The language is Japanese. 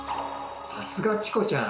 さすがチコちゃん！